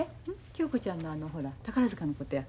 恭子ちゃんのあのほら宝塚のことや。